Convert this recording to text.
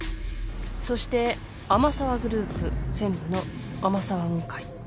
そして天沢グループ専務の天沢雲海。